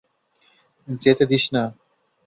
যেতে দিস না।